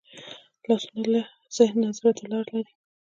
لاسونه له ذهن نه زړه ته لاره لري